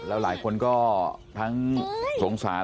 แล้วหลายคนก็ทั้งสงสาร